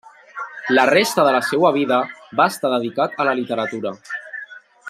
La resta de la seua vida va estar dedicat a la literatura.